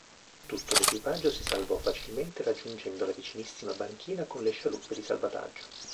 Tutto l'equipaggio si salvò facilmente raggiungendo la vicinissima banchina con le scialuppe di salvataggio.